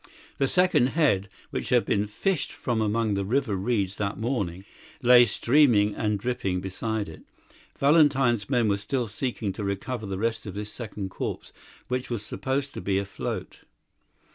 The second head, which had been fished from among the river reeds that morning, lay streaming and dripping beside it; Valentin's men were still seeking to recover the rest of this second corpse, which was supposed to be afloat.